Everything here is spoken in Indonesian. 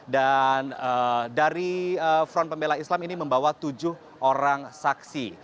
dan dari front pembela islam ini membawa tujuh orang saksi